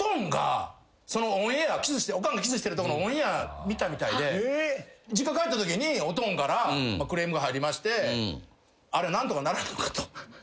おかんがキスしてるとこのオンエア見たみたいで実家帰ったときにおとんからクレームが入りまして「あれ何とかならんのか」と。